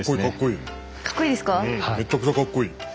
うんめちゃくちゃかっこいい。